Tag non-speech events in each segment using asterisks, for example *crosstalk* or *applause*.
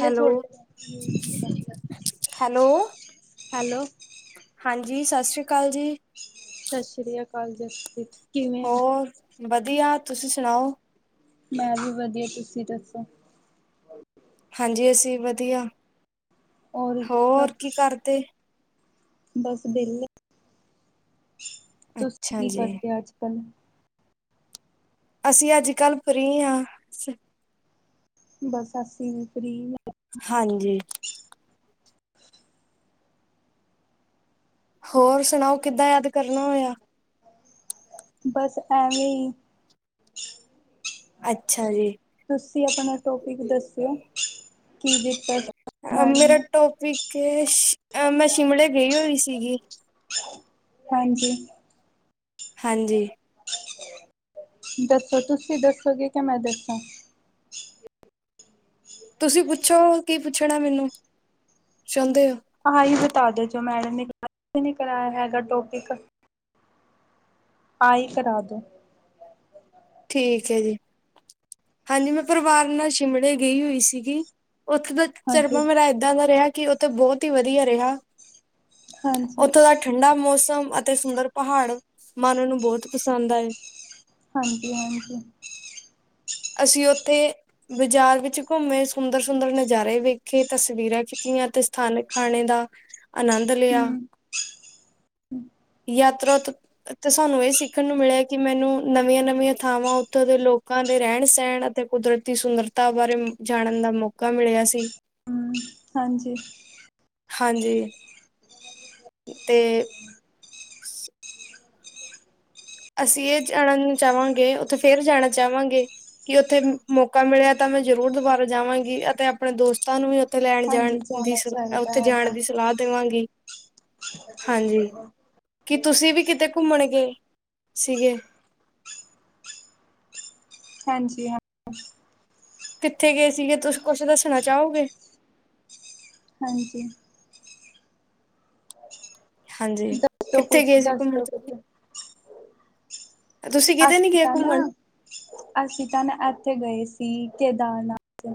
Hello, hello hello. ਹਾਂਜੀ ਸਾਸਰੀ ਕਾਲ ਜੀ। ਸ਼ਾਸਰੀ ਆ ਕਾਲ ਜੀ। ਹੋਰ ਵਧੀਆ, ਤੁਸੀਂ ਸਣਾਓ? ਮੈਂ ਵੀ ਵਧੀਆ, ਤੁਸੀਂ ਦੱਸੋ? ਹਾਂਜੀ, ਅਸੀ ਵਧੀਆ, ਔਰ ਘਰ ਹੋਰ ਕੀ ਕਰਦੇ? ਬਸ ਬੈਲੇ। ਤੂਸੀ ਅੱਛਾ ਕੀ ਜੀ ਕਰਦੇ ਆਜ-ਕੱਲ? ਅਸੀ ਆਜ-ਕੱਲ ਫ੍ਰੀ ਆਂ, ਅਸੀ ਬੱਸ ਅੱਸੀ ਵੀ ਫ੍ਰੀ ਹਾਂਜੀ। ਹੋਰ ਸੁਣਾਓ ਕਿੱਦਾਂ ਯਾਦ ਕਰਨ ਹੋਏਆ? ਬਸ ਐਵੇਂ ਈ। ਅੱਛਾ ਜੀ। ਤੂਸੀ ਅਪਣਾ ਟੋਪਿਕ ਦੱਸੋ ਕੀ ਦਿੱਤਾ ਜ ਅ ਮੇਰਾ ਟੋਪਿਕ ਏ ਸ਼, ਮੈਂ ਸ਼ਿਮਲੇ ਗਈ ਹੋਈ ਸੀਗੀ। ਹਾਂਜੀ। ਹਾਂਜੀ। ਦੱਸੋ ਤੂਸੀ ਦੱਸੋਗੇ, ਕੇ ਮੈਂ ਦੱਸਾਂ? ਤੂਸੀ ਪੁੱਛੋ ਕੀ ਪੁੱਛਣਾ ਮੈਨੂੰ ਚੋਂਦੇ ਓ? ਆ ਹੀ ਬਤਾ ਦੋ ਜੋ ਮੈਡਮ ਨੇ ਅਤੇ ਨੀ ਕਰਾਏਆ ਹੈਗਾ ਟੋਪਿਕ। ਆ ਈ ਕਰਾ ਦੋ। ਠੀਕ ਏ ਜੀ। ਹਾਂਜੀ, ਮੈਂ ਪਰਵਾਰ ਨਾਲ ਸ਼ਿਮਲੇ ਗਈ ਹੋਈ ਸੀਗੀ ਓਥੇ ਦਾ ਹਾਂਜੀ ਚਰਬਾ ਮੇਰਾ ਏਦਾਂ ਦਾ ਰੇਹਾ, ਕਿ ਓ ਤੇ ਬੋਤ ਈ ਵਦੀਆ ਰੇਹਾ। ਹਾਂਜੀ ਓਥੋਂ ਦਾ ਠੰਡਾ ਮੌਸਮ ਤੇ ਸੁੰਦਰ ਪਹਾੜ ਮੰਨ ਨੂੰ ਬੋਹਤ ਪਸੰਦ ਆਏ। ਹਾਂਜੀ, ਹਾਂਜੀ। ਅਸੀ ਓਥੇ ਬਾਜਾਰ ਵਿੱਚ ਘੁੰਮੇ, ਸੁੰਦਰ-ਸੁੰਦਰ ਨਜਾਰੇ ਵੇਖੇ, ਤਸਵੀਰਾਂ ਖਿੱਚੀਆਂ ਤੇ ਫਨ ਖਾਣੇ ਦਾ ਆਨੰਦ ਲੇਆ, ਹੂੰ ਯਾਤਰਾ ਤੋ ਤੇ ਸਾਨੂੰ ਏ ਸਿੱਖਣ ਨੂੰ ਮਿਲੇਆ ਕਿ ਮੈਨੂੰ ਨਵੀਆਂ-ਨਵੀਆਂ ਥਾਵਾਂ ਉਥੋਂ ਦੇ ਲੋਕਾਂ ਨ ਪੇ ਰੈਨ-ਸੈਣ ਅਤੇ ਕੁਦਰਤੀ ਸੁੰਦਰਤਾ ਬਾਰੇ ਜਾਣਨ ਦਾ ਮੌਕਾ ਮਿਲੇਆ ਸੀ। ਹੂੰ ਹਾਂਜੀ। ਹਾਂਜੀ, ਤੇ ਸ ਅਸੀ ਏ ਜਾਣਨ ਨੂੰ ਚਾਵਾਂਗੇ, ਉਥੇ ਫੇਰ ਜਾਣਾ ਚਾਵਾਂਗੇ। ਕਿ ਓਥੇ ਮੌਕਾ ਮਿਲੇਆ ਤਾਂ ਮੈਂ ਜਰੂਰ ਦੁਬਾਰਾ ਜਾਵਾਂਗੀ, ਅਤੇ ਅਪਣੇ ਦੋਸਤਾਂ ਨੂੰ ਵੀ ਓ ਉਥੇ ਰੈਣ ਜਾਣ ਹਾਂਜੀ ਦੀ ਜਾਣਾ ਸ, ਚਾਹੀਦਾ ਉਥੇ ਜਾਣ ਹੈਗਾ ਦੀ ਸਲਾਅ ਦੇਵਾਂਗੀ, ਹਾਂਜੀ, ਕਿ ਤੂਸੀ ਵੀ ਕਿਤੇ ਘੁੰਮਣਗੇ ਸੀਗੇ ਹਾਂਜੀ, ਹਾਂ। ਕਿੱਥੇ ਗਏ ਸੀਗੇ ਤੂਸੀ ਕੁੱਛ ਦੱਸਣਾ ਚਾਓਗੇ? ਹਾਂਜੀ। ਹਾਂਜੀ, ਦੱਸੋ ਕਿੱਥੇ ਕੁਛ ਗਏ ਸੀ ਘੁੰਮਣ ਦੱਸੋ ਤੂਸੀ? ਕੁਛ ਤੁਸੀਂ ਕਿਤੇ ਨੀ ਅਸੀਂ ਗਏ ਤਾਂ ਨਾ, ਘੁੰਮਣ ਅਸੀਂ ਤਾਂ ਨਾ ਐਥੇ ਗਏ ਸੀ ਕੇਦਾਰਨਾਥ।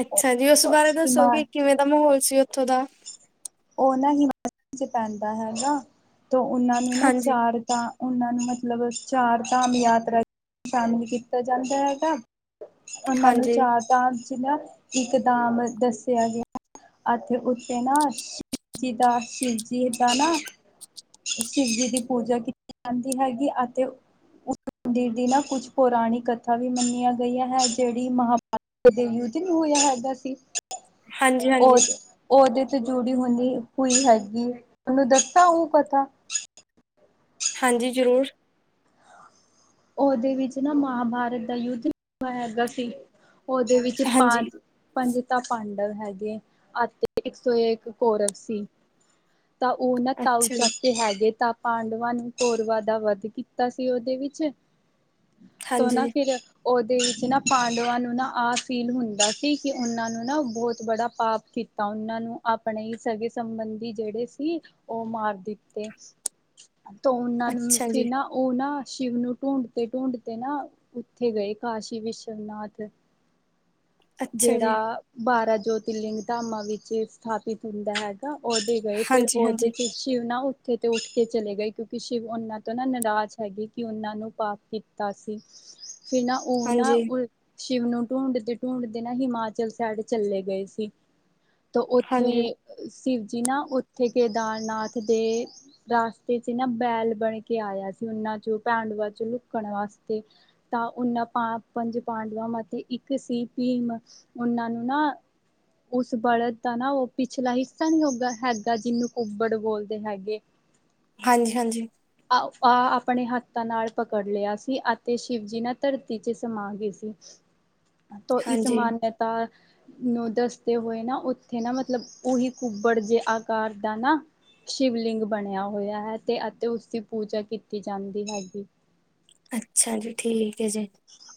ਅੱਛਾ ਜੀ, ਓਸ ਬਾਰੇ ਦੱਸੋ ਹਿਮਾ ਕਿ ਕਿਵੇਂ ਦਾ ਮਾਹੌਲ ਸੀ ਓਥੋਂ ਦਾ? ਓ ਨਾ ਹਿਮਾਚਲ ਚ ਪੈਂਦਾ ਹੈਗਾ, ਤੇ ਉਨਾਂ ਨੂੰ ਨਾ ਹਾਂਜੀ ਚਾਰ ਧਾ ਉਨਾਂ ਨੂੰ ਮਤਲਬ ਚਾਰ- ਧਾਮ ਯਾਤਰਾ ਸ਼ਾਮਿਲ ਕੀਤਾ ਜਾਂਦਾ ਹੈਗਾ। ਓਨਾਂ ਨੂੰ ਹਾਂਜੀ ਚਾਰ -ਧਾਮ ਇਚ ਨਾ ਇਕ ਧਾਮ ਦੱਸੇਆ ਗੇਆ। ਐਥੇ ਉਥੇ ਨਾ ਸ਼ਿਵ ਜੀ ਦਾ, ਸ਼ਿਵਜੀ ਦਾ ਨਾ ਸ਼ਿਵ ਜੀ ਦੀ ਪੂਜਾ ਕੀਤੀ ਜਾਂਦੀ ਹੈਗੀ ਅਤੇ ਉਸ ਮੰਦਿਰ ਦੀ ਨਾ ਕੁੱਛ ਪੋਰਾਣੀ ਕਥਾ ਵੀ ਮੰਨੀਆ ਗਈਆ ਹੈ, ਜੇੜੀ ਮਹਾਭਾਰਤ ਦੇ ਯੂਧ ਨੀ ਹੋਏਆ ਹੈਦਾ ਸੀ, ਹਾਂਜੀ ਹਾਂਜੀ ਓਚ ਓਦੇ ਤੇ ਜੁੜੀ ਹੁੰਦੀ ਹੂਈ ਹੈਗੀ ਏ, ਉਨੂੰ ਦੱਸਾਂ ਉਨੂ ਪਤਾ ਹਾਂਜੀ ਜ਼ਰੂਰ। ਉਹਦੇ ਵਿੱਚ ਨਾ ਮਹਾਭਾਰਤ ਦਾ ਯੁੱਧ ਹੈਗਾ ਸੀ ਉਹਦੇ ਵਿੱਚ ਹਾਂਜੀ ਪਾਂਚ ਪੰਜ ਤਾਂ ਪਾਂਡਵ ਹੈਗੇ ਅਤੇ ਇੱਕ ਸੌ ਏਕ ਕੋਰਵ ਸੀ। ਤਾਂ ਉਹੁ ਨਾ ਤਾੳ ਅੱਛਾ ਜੀ ਚਾਚੇ ਹੈਗੇ ਤਾ ਪਾਂਡਵਾਂ ਨੂੰ ਕੋਰਵਾ ਦਾ ਵੱਧ ਕੀਤਾ ਸੀ ਉਹਦੇ ਵਿੱਚ ਤੋ ਨਾ ਹਾਂਜੀ ਫਿਰ ਉਹਦੇ ਵਿੱਚ ਨਾ ਪਾਂਡਵਾਂ ਨੂੰ ਨਾ ਆਹ ਫੀਲ ਹੁੰਦਾ ਸੀ ਕਿ ਉਹਨਾਂ ਨੂੰ ਨਾ ਬੋਹਤ ਬੜਾ ਪਾਪ ਕੀ ਤਾਂ ਉਹਨਾਂ ਨੂੰ ਆਪਣੇ ਹੀ ਸਗੇ ਸੰਬੰਧੀ ਜੇਹੜੇ ਸੀ ਉਹ ਮਾਰ ਦਿੱਤੇ। *unintelligible* *unintelligible* ਤੋ ਉਹਨਾਂ ਨੂੰ ਅੱਛਾ ਜੀ ਫਿਰ ਨਾ ਉਹ ਨਾ ਸ਼ਿਵ ਨੂੰ ਢੂੰਡਤੇ ਢੂੰਡਤੇ ਨਾ ਉੱਥੇ ਗਏ ਕਾਸ਼ੀ ਵਿਸ਼ਵਨਾਥ। ਅੱਛਾ ਜੀ, ਜਿਹੜਾ ਬਾਰਾ ਜੋਤੀਲਿੰਗ ਧਾਮਾਂ ਵਿੱਚ ਸਥਾਪਿਤ ਹੁੰਦਾ ਹੈ। ਉਹਦੇ ਗਏ ਫਿਰ ਉਹਦੇ ਹਾਂਜੀ-ਹਾਂਜੀ, ਚ ਸ਼ਿਵ ਨਾ ਉੱਥੇ ਤੇ ਉੱਠ ਕੇ ਚਲੇ ਗਏ ਕਿਉਂਕਿ ਸ਼ਿਵ ਉਹਨਾਂ ਤੋਂ ਨਾ ਨਰਾਜ਼ ਹੈਗੇ ਕਿ ਉਹਨਾਂ ਨੂੰ ਪਾਪ ਕੀਤਾ ਸੀ ਫਿਰ ਨਾ ਉਹ ਨਾ ਹਾਂਜੀ, ਸ਼ਿਵ ਨੂੰ ਢੂੰਡਦੇ ਢੂੰਡਦੇ ਨਾ ਹਿਮਾਚਲ ਸੈਡ ਚੱਲੇ ਗਏ ਸੀ। ਤੋ ਹਾਂਜੀ, ਉੱਥੇ ਸਿਵ ਜੀ ਨਾ ਉੱਥੇ ਕੇਦਾਰਨਾਥ ਦੇ ਰਾਸਤੇ ਚ ਨਾ ਬੈਲ ਬਣ ਕੇ ਆਇਆ ਸੀ ਉਹਨਾਂ ਚੋਂ ਪਾਂਡਵਾਂ ਚੋਂ ਲੁਕਣ ਵਾਸਤੇ ਤਾਂ ਉਹਨਾਂ ਪਾ ਪੰਜ ਪਾਂਡਵਾਂ ਮਾਤੇ ਇੱਕ ਸੀ ਭੀਮ ਉਹਨਾਂ ਨੂੰ ਨਾ ਉਸ ਬਲਦ ਦਾ ਨਾ ਉਹ ਪਿਛਲਾ ਹਿੱਸਾ ਨੀ ਹੋਗਾ ਹੈਗਾ ਜਿਹਨੂੰ ਕੁੱਬੜ ਬੋਲਦੇ ਹੈਗੇ। ਹਾਂਜੀ ਹਾਂਜੀ। ਅ ਆਹ ਆਪਣੇ ਹੱਥਾਂ ਨਾਲ ਪਕੜ ਲਿਆ ਸੀ ਅਤੇ ਸ਼ਿਵ ਜੀ ਨਾ ਧਰਤੀ ਚ ਸਮਾ ਗੇਸੀ। ਤੋਂ ਇਸ ਹਾਂਜੀ ਮਾਨੇਏਤਾ ਨੂੰ ਦੱਸਦੇ ਹੋਏ ਨਾ ਉੱਥੇ ਨਾ ਮਤਲਬ ਉਹੀ ਕੁੱਬੜ ਜੇ ਆਕਾਰ ਦਾ ਨਾ ਸ਼ਿਵਲਿੰਗ ਬਣਿਆ ਹੋਇਆ ਹੈ ਤੇ ਅਤੇ ਉਸਦੀ ਪੂਜਾ ਕੀਤੀ ਜਾਂਦੀ ਹੈਗੀ। ਅੱਛਾ ਜੀ ਠੀਕ ਹੈ ਜੀ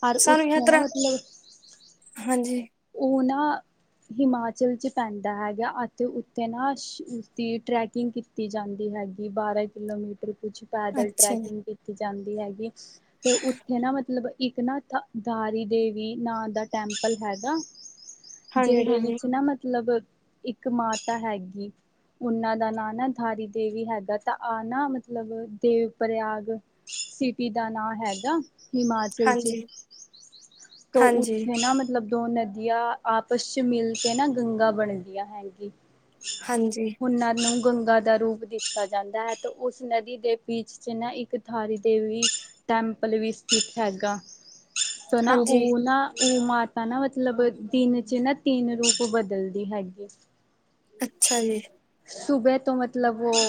ਔਰ ਸਾਨੂੰ ਉੱਥੇ ਨਾ ਯਾਤਰਾ ਮਤਲਬ ਹਾਂਜੀ। ਉਹ ਨਾ ਹਿਮਾਚਲ 'ਚ ਪੈਂਦਾ ਹੈਗਾ ਅਤੇ ਉੱਤੇ ਨਾ ਸ਼ ਉਸਦੀ ਟਰੈਕਿੰਗ ਕੀਤ ਕੀਤੀ ਜਾਂਦੀ ਹੈਗੀ ਬਾਰਾਂ ਕਿਲੋਮੀਟਰ ਕੁਛ ਪੈਦਲ ਅੱਛਾ ਜੀ। ਟਰੈਕਿੰਗ ਕੀਤੀ ਜਾਂਦੀ ਹੈਗੀ ਤੇ ਉੱਥੇ ਨਾ ਮਤਲਬ ਇੱਕ ਨਾ ਧ ਧਾਰੀ ਦੇਵੀ ਨਾਂ ਦਾ ਟੈਂਪਲ ਹੈਗਾ। ਜੇਹੜੇ ਹਾਂਜੀ-ਹਾਂਜੀ, ਵਿੱਚ ਨਾ ਮਤਲਬ ਇੱਕ ਮਾਤਾ ਹੈਗੀ। ਉਹਨਾਂ ਦਾ ਨਾਂ ਨਾ ਧਾਰੀ ਦੇਵੀ ਹੈਗਾ ਤਾ ਆ ਨਾ ਮਤਲਬ ਦੇਵ ਪ੍ਰਯਾਗ ਸਿਟੀ ਦਾ ਨਾਂ ਹੈਗਾ ਹਿਮਾ ਸਿਲਚੀ ਹਾਂਜੀ, ਤੋ ਹਾਂਜੀ, ਹਾਂਜੀ, ਉਥੇ ਨਾ ਮਤਲਬ ਦੋ ਨਦੀਆਂ ਆਪਸ ਚ ਮਿਲ ਕੇ ਨਾ ਗੰਗਾ ਬਣਦੀਆਂ ਹੈਗੀ। ਹਾਂਜੀ। ਉਹਨਾਂ ਨੂੰ ਗੰਗਾ ਦਾ ਰੂਪ ਦਿੱਤਾ ਜਾਂਦਾ ਹੈ ਤੇ ਉਸ ਨਦੀ ਦੇ ਪੀਚ ਚ ਨਾ ਇੱਕ ਥਾਰੀ ਦੇਵੀ ਟੈਂਪਲ ਵੀ ਸਥਿਤ ਹੈਗਾ ਤੋਂ ਨਾ ਹਾਂਜੀ ਉਹ ਨਾ ਉਹ ਮਾਤਾ ਨਾ ਮਤਲਬ ਦਿਨ ਚ ਨਾ ਤਿੰਨ ਰੂਪ ਬਦਲਦੀ ਹੈਗੀ। ਅੱਛਾ ਜੀ। ਸੁਬੇ ਤੋਂ ਮਤਲਬ ਉਹ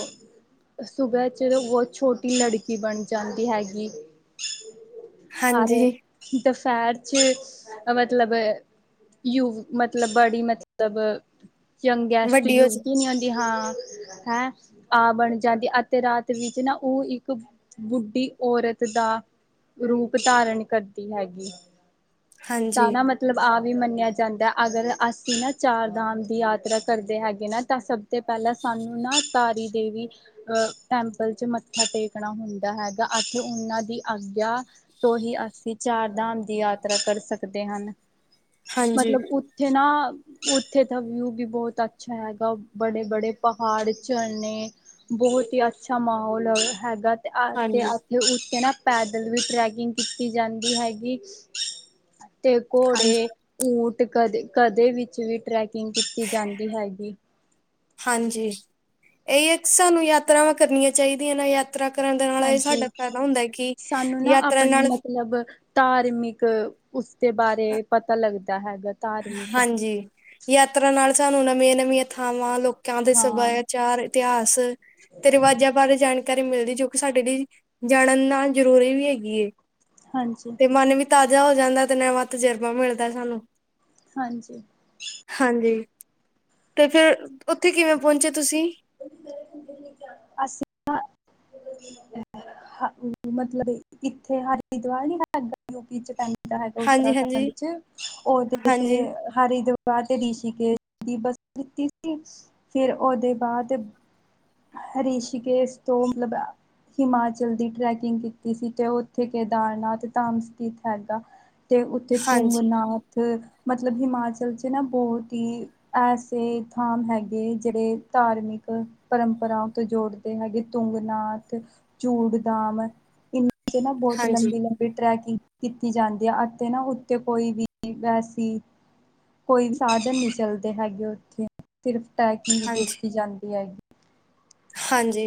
ਸੂਬਾ ਚ ਬਹੁਤ ਛੋਟੀ ਲੜਕੀ ਬਣ ਜਾਂਦੀ ਹੈਗੀ। ਆਰੇ ਹਾਂਜੀ, ਦੁਪਹਿਰ ਚ ਮਤਲਬ ਯੂ ਮਤਲਬ ਬੜੀ ਮਤਲਬ ਯੰਗੈਸਟ ਵੱਡੀ ਹੋ ਯੂਗ ਜਾ ਹੀ ਨਹੀਂ ਹੁੰਦੀ ਹਾਂ। ਹੈ ਆ ਬਣ ਜਾਂਦੀ, ਅਤੇ ਰਾਤ ਵਿੱਚ ਨਾ ਉਹ ਇੱਕ ਬੁੱਢੀ ਔਰਤ ਦਾ ਰੂਪ ਧਾਰਨ ਕਰਦੀ ਹੈਗੀ, ਤਾਂ ਹਾਂਜੀ, ਨਾ ਮ ਮਤਲਬ ਆ ਵੀ ਮੰਨਿਆ ਜਾਂਦਾ, ਅਗਰ ਅਸੀਂ ਨਾ ਚਾਰ ਧਾਮ ਦੀ ਯਾਤਰਾ ਕਰਦੇ ਹੈਗੇ ਨਾ, ਤਾਂ ਸਭ ਪਹਿਲਾਂ ਸਾਨੂੰ ਨਾ ਤਾਰੀ ਦੇਵੀ ਅਹ ਟੈਂਪਲ ਚ ਮੱਥਾ ਟੇਕਣਾ ਹੁੰਦਾ ਹੈਗਾ, ਅਤੇ ਉਹਨਾਂ ਦੀ ਆਗਿਆ ਤੋਂ ਹੀ ਅਸੀਂ ਚਾਰ ਧਾਮ ਦੀ ਯਾਤਰਾ ਕਰ ਸਕਦੇ ਹਨ। ਹਾਂਜੀ, ਮਤਲਬ ਜਿ੍ਹਨਾ ਉੱਥੇ ਦਾ ਵਿਊ ਵੀ ਬਹੁਤ ਅੱਛਾ ਹੈਗਾ, ਬੜੇ -ਬੜੇ ਪਹਾੜ, ਝਰਨੇ, ਬਹੁਤ ਹੀ ਅੱਛਾ ਮਾਹੌਲ ਹੈਗਾ, ਤੇ ਹਾਂਜੀ, ਆਪਣੇ ਉੱਤੇ ਨਾ ਪੈਦਲ ਵੀ ਟਰੈਕਿੰਗ ਕੀਤੀ ਜਾਂਦੀ ਹੈਗੀ, ਤੇ ਹਾਂਜੀ। ਘੋੜੇ ਊਟ ਕਦੇ -ਕਦੇ ਵਿੱਚ ਵੀ ਟਰੈਕਿੰਗ ਕੀਤੀ ਜਾਂਦੀ ਹੈਗੀ। ਹਾਂਜੀ, ਇਹੀ ਹੈ ਸਾਨੂੰ ਯਾਤਰਾਵਾਂ ਕਰਨੀਆਂ ਚਾਹੀਦੀਆਂ ਨਾ ਯਾ ਯਾਤਰਾ ਕਰਨ ਦੇ ਨਾਲ ਇਹ ਸਾਡਾ ਹਾਂਜੀ ਫਾਇਦਾ ਹੁੰਦਾ, ਕਿ ਸਾਨੂੰ ਨਾ ਯਾਤਰਾ ਆਪਣੇ ਨਾਲ ਮਤਲਬ ਧਾਰਮਿਕ ਉਸਦੇ ਬਾਰੇ ਪਤਾ ਲੱਗਦਾ ਹੈਗਾ। ਧਾਰਮਿਕ ਹਾਂਜੀ, ਯਾਤਰਾ ਨਾਲ ਸਾਨੂੰ ਨਵੀਆਂ- ਨਵੀਆਂ ਥਾਵਾਂ, ਲੋਕ ਕਾਂ ਦੇ ਹਾਂ ਸਭਿਆਚਾਰ ਇਤਿਹਾਸ ਤੇ ਰਿਵਾਜਾਂ ਬਾਰੇ ਜਾਣਕਾਰੀ ਮਿਲਦੀ, ਜੋ ਕਿ ਸਾਡੇ ਲਈ ਜਾਣਨ ਨਾਲ ਜ਼ਰੂਰੀ ਵੀ ਹੈਗੀ। ਹਾਂਜੀ। ਤੇ ਮਨ ਵੀ ਤਾਜ਼ਾ ਹੋ ਜਾਂਦਾ, ਤੇ ਨਵਾਂ ਤਜਰਬਾ ਮਿਲਦਾ ਸਾਨੂੰ। ਹਾਂਜੀ। ਹਾਂਜੀ, ਤੇ ਫਿਰ ਉੱਥੇ ਕਿਵੇਂ ਪਹੁੰਚੇ ਤੁਸੀਂ? ਅਸੀ ਮਤਲਬ ਇੱਥੇ ਹਰਿਦਵਾਰ ਨੀ ਯੂਪੀ ਚ ਪੈਂਦਾ। ਹੈਗਾ ਹਾਂਜੀ-ਹਾਂਜੀ ਉੱਤਰਾਖੰਡ ਚ, ਉਹਦੇ ਤੇ ਹਾਂਜੀ ਹਰਿਦਵਾਰ ਤੇ ਰਿਸ਼ੀਕੇਸ਼ ਦੀ ਬਸਤੀ ਸੀ, ਫਿਰ ਉਹਦੇ ਬਾਅਦ ਹਰੀਸ਼ ਕੇਸ਼ ਇਸ ਤੋਂ ਮਤਲਬ ਹਿਮਾਚਲ ਦੀ ਟਰੈਕਿੰਗ ਕੀਤੀ ਸੀ, ਤੇ ਉੱਥੇ ਕੇਦਾਰਨਾਥ ਧਾਮ ਸਥਿਤ ਹੈਗਾ। ਅਤੇ ਉੱਥੇ ਤੁੰਗ ਹਾਂਜੀ ਨਾਥ, ਮਤਲਬ ਹਿਮਾਚਲ 'ਚ ਨਾ ਬਹੁਤ ਹੀ ਐਸੇ ਥਾਮ ਹੈਗੇ, ਜਿਹੜੇ ਧਾਰਮਿਕ ਪਰੰਪਰਾ ਤੋਂ ਜੋੜਦੇ ਹੈਗੇ, ਤੁੰਗ ਨਾਥ ਚੂੜ ਦਾਮ ਇ ਠ ਨਾ ਬਹੁਤ ਹਾਂਜੀ ਲੰਬੀ -ਲੰਬੀ ਵੀ ਟਰੈਕਿੰਗ ਕੀਤੀ ਜਾਂਦੀ ਹੈ, ਅਤੇ ਨਾ ਉੱਥੇ ਕੋਈ ਵੀ ਵੈਸੀ ਕੋਈ ਸਾਧਨ ਨਹੀਂ ਚੱਲਦੇ ਹੈਗੇ ਉੱਥੇ, ਸਿਰਫ ਟੈਕਿੰਗ ਹਾਂਜੀ ਕੀਤੀ ਜਾਂਦੀ ਹੈਗੀ। ਹਾਂਜੀ।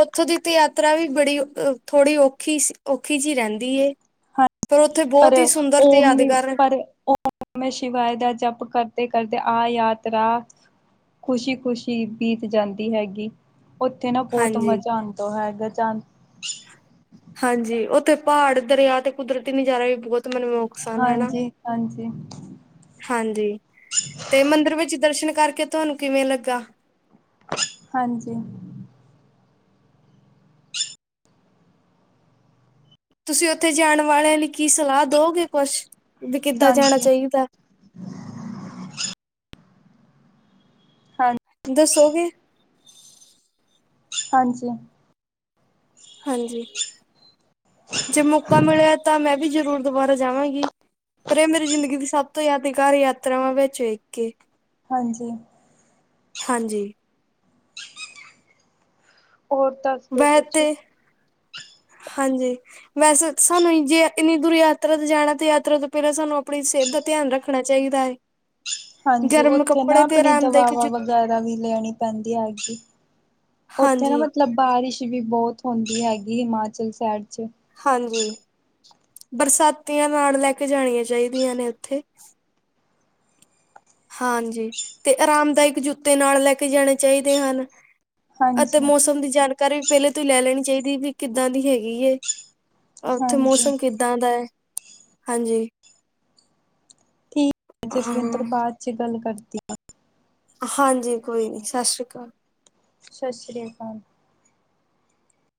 ਉੱਥੋਂ ਦੀ ਤੇ ਯਾਤਰਾ ਵੀ ਬੜੀ ਥੋੜ੍ਹੀ ਔਖੀ ਸੀ ਔਖੀ ਜਿਹੀ ਰਹਿੰਦੀ ਏ। ਪਰ ਉੱਥੇ ਬਹੁਤ ਹੀ ਸੁੰਦਰ ਤੇ ਯਾਦਗਾਰ ੈਂਮੈ ਸ਼ਿਵਾਇ ਦਾ ਜਪ ਕਰਦੇ- ਕਰਦੇ ਆ ਯਾਤਰਾ ਖੁਸ਼ੀ -ਖੁਸ਼ੀ ਬੀਤ ਜਾਂਦੀ ਹੈਗੀ, ਉੱਥੇ ਨਾ ਬਹੁਤ ਹਾਂਜੀ ਮਜ਼ਾ ਆਉਂਦਾ ਹੈਗਾ। ਜਾਂ ਹਾਂਜੀ। ਉੱਥੇ ਪਹਾੜ ਦਰਿਆ ਤੇ ਕੁਦਰਤੀ ਨਜ਼ਾਰਾ ਵੀ ਬਹੁਤ ਤ ਮੈਨੂੰ ਓ ਪਸੰਦ ਏ ਨਾ। ਹਾਂਜੀ, ਹਾਂਜੀ, ਹਾਂਜੀ, ਤੇ ਮੰਦਿਰ ਵਿੱਚ ਦਰਸ਼ਨ ਕਰਕੇ ਤੁਹਾਨੂੰ ਕਿਵੇਂ ਲੱਗਾ? ਹਾਂਜੀ ਤੁਸੀਂ ਉੱਥੇ ਜਾਣ ਵਾਲਿਆਂ ਲਈ ਕੀ ਸਲਾਹ ਦੋਗੇ ਕੁਛ, ਵੀ ਕਿੱਦਾਂ ਜਾਣਾ ਹਾਂਜੀ, ਚਾਈਦਾ? ਹਾਂ ਦੱਸੋਗੇ? ਹਾਂਜੀ ਹਾਂਜੀ ਜੇ ਮੌਕਾ ਮਿਲਿਆ ਤਾਂ ਮੈਂ ਵੀ ਜਰੂਰ ਦੁਬਾਰਾ ਜਾਵਾਂਗੀ ਪਰ ਇਹ ਮੇਰੀ ਜ਼ਿੰਦਗੀ ਦੀ ਸਭ ਤੋਂ ਯਾਦਗਾਰ ਯਾਤਰਾਵਾਂ ਵਿੱਚ ਇੱਕ ਕੇ ਹਾਂਜੀ ਹਾਂਜੀ ਹੋਰ ਤਾਂ ਬਹਿ ਤੇ, ਹਾਂਜੀ। ਵੈਸੇ ਸਾਨੂੰ ਜੇ ਇੰਨੀ ਦੂਰ ਯਾਤਰਾ ਤੇ ਜਾਣਾ ਤੇ ਯਾਤਰਾ ਤੋਂ ਪਹਿਲਾਂ ਸਾਨੂੰ ਆਪਣੀ ਸਿਹਤ ਦਾ ਧਿਆਨ ਰੱਖ ਰੱਖਣਾ ਚਾਈਦਾ ਏ, ਹਾਂਜੀ ਗਰਮ ਉੱਥੇ ਨਾ ਕੱਪੜੇ ਤੇ ਆਪਣੀ ਆਰਾਮਦਾਇਕ ਦਵਾਵਾਂ ਜੁੱਤੀ ਵਗੈਰਾ ਵੀ ਲੈਣੀ ਪੈਂਦੀ ਆਪਦੀ ਉੱਥੇ ਨਾ ਹਾਂਜੀ, ਮਤਲਬ ਬਾਰਿਸ਼ ਵੀ ਬੋਤ ਹੁੰਦੀ ਹੈਗੀ ਹਿਮਾਚਲ ਸਾਈਡ ਚ ਹਾਂਜੀ। ਬਰਸਾਤੀਆਂ ਨਾਲ ਲੈ ਕੇ ਜਾਣੀਆਂ ਚਾਹੀਦੀਆਂ ਨੇ ਉੱਥੇ ਹਾਂਜੀ, ਤੇ ਆਰਾਮਦਾਇਕ ਜੁੱਤੇ ਨਾਲ ਲੈ ਕੇ ਜਾਣੇ ਚਾਈਦੇ ਹਨ। ਅਤੇ ਹਾਂਜੀ, ਮੌਸਮ ਦੀ ਜਾਣਕਾਰੀ ਪਹਿਲੇ ਤੋਂ ਹੀ ਲੈ ਲੈਣੀ ਚਾਈਦੀ ਵੀ ਕਿੱਦਾਂ ਦੀ ਹੈਗੀ ਏ। ਉੱਥੇ ਹਾਂਜੀ, ਮੌਸਮ ਕਿੱਦਾਂ ਦਾ ਐ ਹਾਂਜੀ। ਠੀਕ, ਜਸਵਿੰਦਰ ਹਾਂ ਬਾਅਦ ਚ ਗੱਲ ਕਰਦੀ ਆ। ਹਾਂਜੀ ਕੋਈ ਨੀ, ਸਸ ਸ਼੍ਰੀ ਕਾਲ। ਸਸ ਸ੍ਰੀ ਕਾਲ।